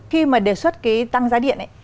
khi mà đề xuất cái tăng giá điện